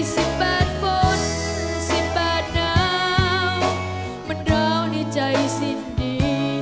สิบแปดคนสิบแปดหนาวมันราวในใจสิ้นดี